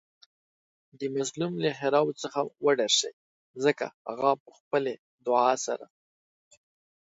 د مظلوم له ښیرا څخه وډار شئ ځکه هغه په خپلې دعاء سره